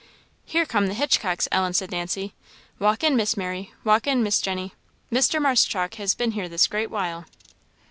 "Here come the Hitchcocks, Ellen," said Nancy. "Walk in, Miss Mary walk in, Miss Jenny Mr. Marshchalk has been here this great while."